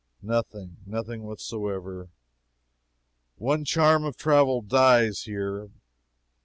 Nothing. Nothing whatsoever. One charm of travel dies here.